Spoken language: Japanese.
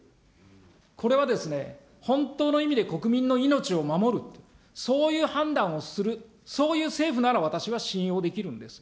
これは本当の意味で国民の命を守る、そういう判断をする、そういう政府なら私は信用できるんです。